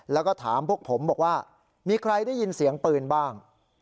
แล้วก็ถามพวกผมบอกว่ามีใครได้ยินเสียงปืนบ้าง